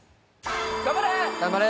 頑張れ！